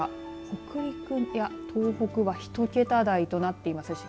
北陸や東北は１桁台となっています。